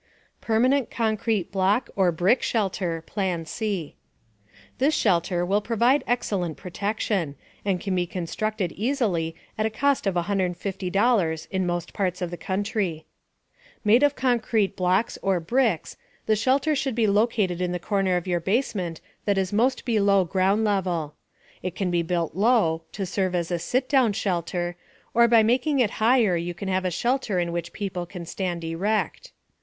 PERMANENT CONCRETE BLOCK OR BRICK SHELTER PLAN C This shelter will provide excellent protection, and can be constructed easily at a cost of $150 in most parts of the country. Made of concrete blocks or bricks, the shelter should be located in the corner of your basement that is most below ground level. It can be built low, to serve as a "sitdown" shelter; or by making it higher you can have a shelter in which people can stand erect.